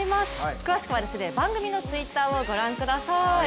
詳しくは番組のＴｗｉｔｔｅｒをご覧ください。